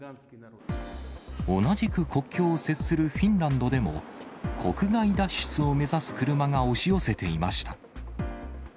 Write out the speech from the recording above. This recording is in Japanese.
同じく国境を接するフィンランドでも、国外脱出を目指す車が押し寄せていました。